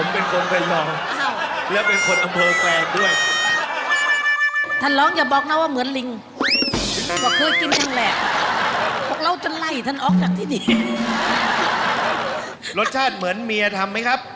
ผมเป็นคนไปรอ